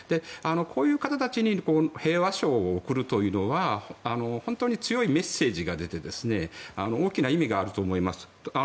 こういう方たちに平和賞を贈るというのは本当に強いメッセージが出て大きな意味があると思います。